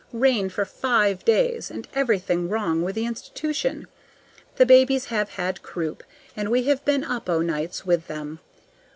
Rain for five days, and everything wrong with this institution. The babies have had croup, and we have been up o' nights with them.